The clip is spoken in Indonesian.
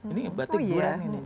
ini batik durian